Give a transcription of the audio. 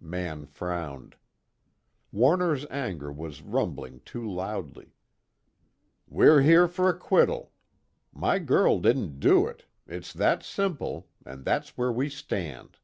Mann frowned; Warner's anger was rumbling too loudly. "We're here for acquittal. My girl didn't do it. It's that simple, and that's where we stand."